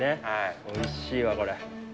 おいしいわこれ。